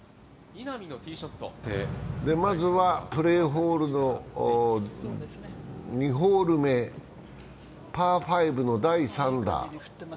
まずはプレーオフの２ホール目、パー５の第３打。